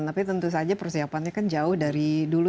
tapi tentu saja persiapannya kan jauh dari dulu